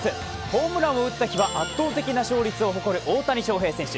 ホームランを打った日は圧倒的な勝率を誇る大谷翔平選手。